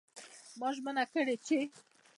ما ژمنه کړې چې